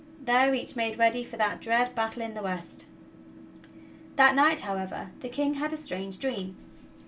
There each made ready for that dread battle in the west. That night, however, the King had a strange dream.